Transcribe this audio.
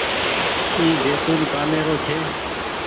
اي زيتونٚ ڪآمي رو ڇي۔